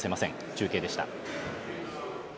中継でした。